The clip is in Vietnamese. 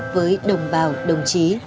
với đồng bào đồng chí